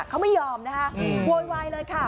เขาไม่ยอมนะโวยเลยค่ะ